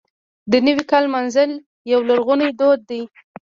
د نوي کال لمانځل یو لرغونی دود دی.